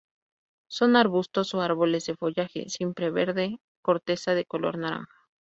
Son arbustos o árboles de follaje siempreverde y corteza de color naranja.